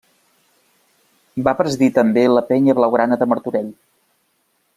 Va presidir també la Penya Blaugrana de Martorell.